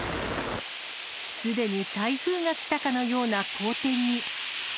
すでに台風が来たかのような荒天に。